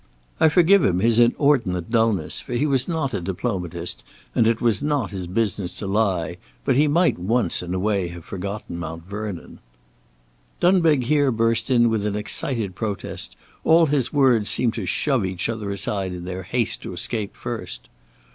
I forgive him his inordinate dulness, for he was not a diplomatist and it was not his business to lie, but he might once in a way have forgotten Mount Vernon." Dunbeg here burst in with an excited protest; all his words seemed to shove each other aside in their haste to escape first.